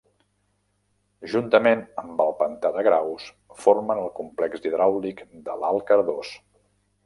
Juntament amb el pantà de Graus formen el complex hidràulic de l'alt Cardós.